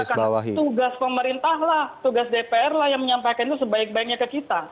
karena tugas pemerintah lah tugas dpr lah yang menyampaikan itu sebaik baiknya ke kita